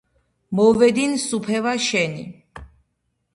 მოვედინ სუფევა შენი